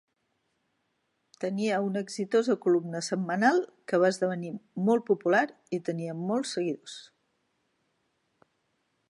Tenia una exitosa columna setmanal que va esdevenir molt popular i tenia molts seguidors.